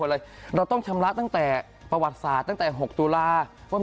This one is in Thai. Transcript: เลยเราต้องชำระตั้งแต่ประวัติศาสตร์ตั้งแต่๖ตุลาว่า